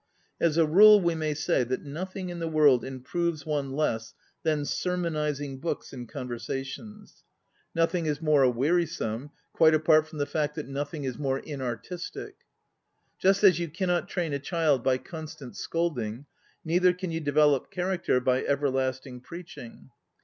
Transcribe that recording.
As a rule we may say that nothing in the world improves one less than sermonizing books and con versations; nothing is more weari 16 ON READING some, quite apart from the fact that nothing is more inartistic. Just as you cannot train a child by constant scolding, neither can you develop character by everlasting preaching.